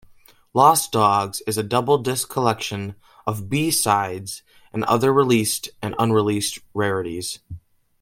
"Lost Dogs" is a double-disc collection of B-sides and other released and unreleased rarities.